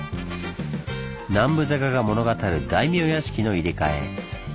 南部坂が物語る大名屋敷の「入れ替え」。